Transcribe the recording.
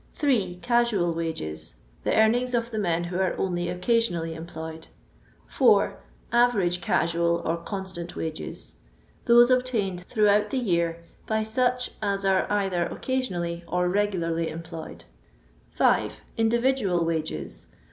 3. Casual H'a^j.— The earnings of the men who are only occasionally employed. 4. Average Casual or Consiant Wages. — Those obtained throughout the year by such as are either occasionally or regularly employed. 6. Individual Wages.